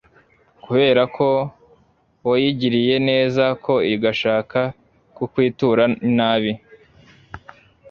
kubera ko wayigiriye neza yo igashaka kukwitura inabi